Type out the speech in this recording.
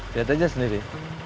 lihat aja sendiri